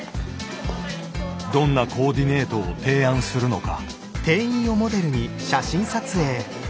どんなコーディネートを提案するのか。